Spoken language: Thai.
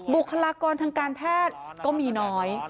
บุคลากรทางการแพทย์ก็มีน้อย